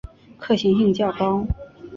可行性较高